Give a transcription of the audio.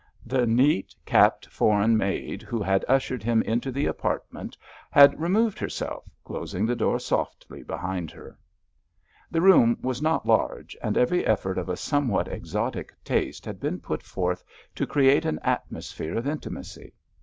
The neat, capped foreign maid who had ushered him into the apartment had removed herself, closing the door softly behind her. The room was not large, and every effort of a somewhat exotic taste had been put forth to create an atmosphere of intimacy.